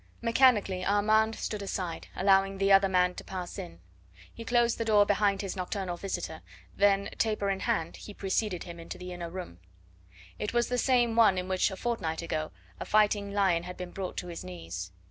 Mechanically Armand stood aside, allowing the other man to pass in. He closed the door behind his nocturnal visitor, then, taper in hand, he preceded him into the inner room. It was the same one in which a fortnight ago a fighting lion had been brought to his knees.